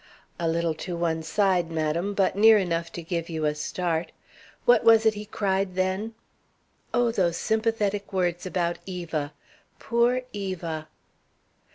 "A little to one side, madam, but near enough to give you a start. What was it he cried then?" "Oh, those sympathetic words about Eva! 'Poor Eva!'"